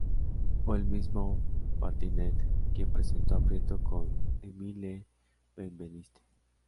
Fue el mismo Martinet quien presentó a Prieto con Émile Benveniste.